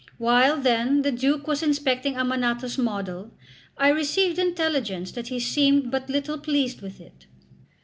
While, then, the Duke was inspecting Ammanato's model, I received intelligence that he seemed but little pleased with it.